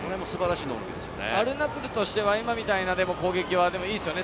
アルナスルとしては今みたいな攻撃はいいですよね。